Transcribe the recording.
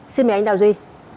xin mời anh đào duy